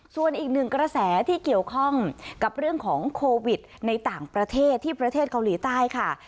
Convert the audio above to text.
ส่วนอีกหนึ่งกระแสที่เกี่ยวข้องกับเรื่องของโควิดในต่างประเทศที่ประเทศเกาหลีใต้ค่ะ